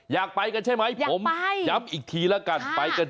อยากไปกันใช่ไหมอยากไปผมย้ำอีกทีและกัน